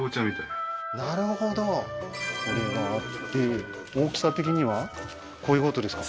なるほどこれがあって大きさ的にはこういうことですか？